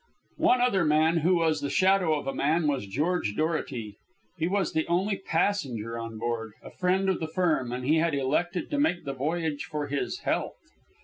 One other man who was the shadow of a man was George Dorety. He was the only passenger on board, a friend of the firm, and he had elected to make the voyage for his health.